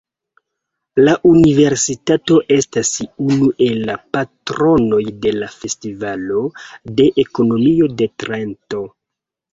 La universitato estas unu el la patronoj de la Festivalo de Ekonomio de Trento.